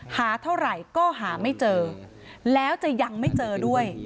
หาเท่าไหร่ก็หาไม่เจอแล้วจะยังไม่เจอด้วย